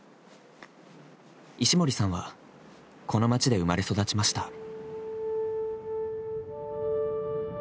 石森さんはこの街で生まれ育ちました。